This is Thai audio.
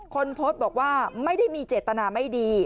คนโพสต์บอกว่าไม่ได้มีเจตนาไม่ดี